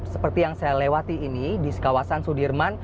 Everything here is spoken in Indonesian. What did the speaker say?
seperti yang saya lewati ini di kawasan sudirman